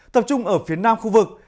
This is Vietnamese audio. tập trung ở phía nam khu vực